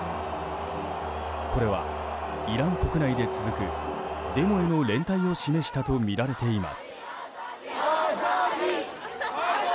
これはイラン国内で続くデモへの連帯を示したとみられています。